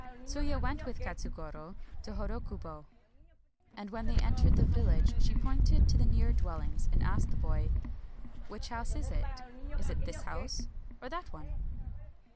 Tsuya went with Katsugoro to Hodokubo ; and when they entered the village she pointed to the nearer dwellings, and asked the boy, " Which house is it ?— is it this house or that one